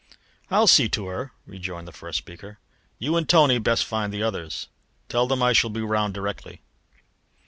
"I'll see to her," rejoined the first speaker. "You and Tony had best find the others. Tell them I shall be round directly."